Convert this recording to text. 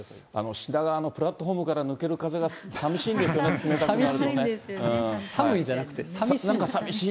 品川のプラットホームから抜ける風がさみしいんですよね、冷寒いじゃなくて、さみしい？